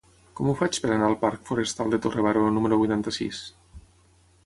Com ho faig per anar al parc Forestal de Torre Baró número vuitanta-sis?